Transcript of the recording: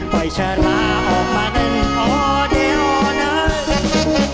ไว้ชะลาออกมาหนึ่งอ๋อเดี๋ยวอ๋อหนึ่ง